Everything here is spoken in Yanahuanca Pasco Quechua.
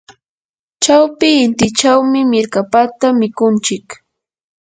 chawpi intichawmi mirkapata mikunchik.